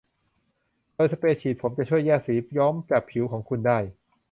โดยสเปรย์ฉีดผมจะช่วยแยกสีย้อมจากผิวของคุณได้